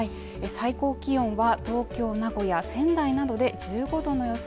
最高気温は、東京名古屋仙台などで１５度の予想。